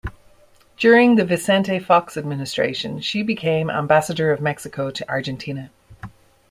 During the Vicente Fox administration she became ambassador of Mexico to Argentina.